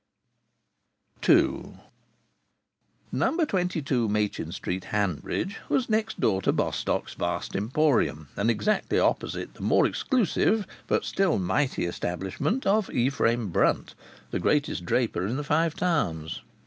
II No. 22 Machin Street, Hanbridge, was next door to Bostock's vast emporium, and exactly opposite the more exclusive, but still mighty, establishment of Ephraim Brunt, the greatest draper in the Five Towns.